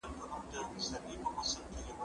زه اوس درسونه لوستل کوم!